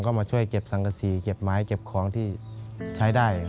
ก็มาช่วยเก็บสังกษีเก็บไม้เก็บของที่ใช้ได้